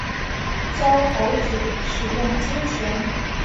教猴子使用金钱